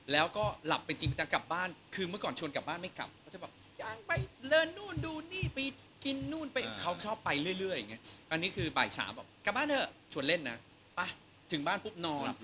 แล้วให้อันแพ้ท้องแทนเขาไหมครับมีอาการแพ้เท้าอยู่หรอพี่อาร์ด